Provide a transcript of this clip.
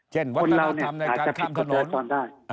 เจนวัฒนธรรมในการข้ามถนน